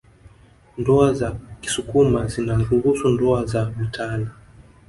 Ndoa za kisukuma zinaruhusu ndoa za mitaala